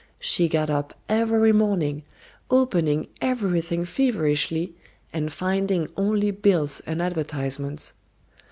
She got up every morning, opening everything feverishly and finding only bills and advertisements.